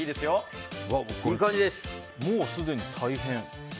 もうすでに大変。